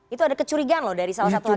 itu ada kecurigaan dari salah satu hakim mk